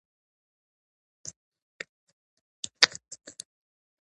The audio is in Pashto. موږ باید د ماشومانو د خوشحالۍ لپاره وخت ځانګړی کړو